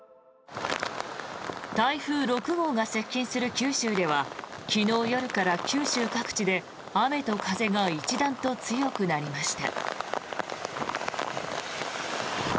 台風６号が接近する九州では昨日夜から九州各地で雨と風が一段と強くなりました。